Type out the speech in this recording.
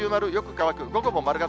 乾く。